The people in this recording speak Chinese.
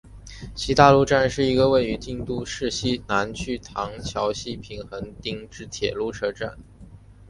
西大路站是一个位于京都市南区唐桥西平垣町之铁路车站。